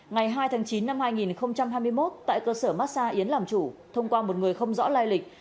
ngày hai tháng chín năm hai nghìn hai mươi một tại cơ sở massa yến làm chủ thông qua một người không rõ lai lịch